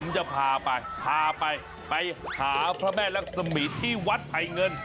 ผมจะพาไปพาไปไปหาพระแม่รักษมีที่วัดไผ่เงิน